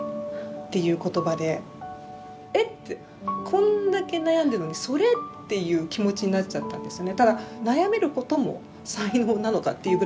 「こんだけ悩んでるのにそれ？」っていう気持ちになっちゃったんですよね。